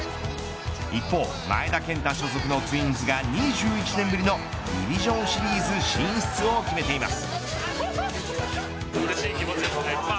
一方、前田健太所属のツインズが２１年ぶりのディビジョンシリーズ進出を決めています。